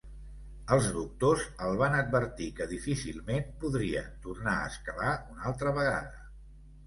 Els doctors el van advertir que difícilment podria tornar a escalar una altra vegada.